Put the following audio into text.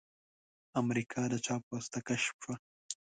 امریکا د چا په واسطه کشف شوه؟